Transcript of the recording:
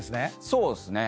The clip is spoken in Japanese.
そうっすね。